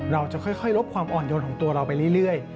เราจะค่อยลบความอ่อนโยนของตัวเราไปเรื่อย